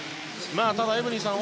ただエブリンさん